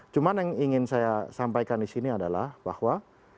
cuma yang ingin saya sampaikan di sini adalah bahwa